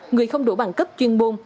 người không đủ bằng cấp chuyên môn